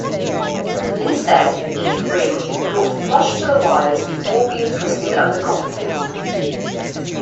Instead, each ring is brought flush to the wires before being twisted under Copperfield.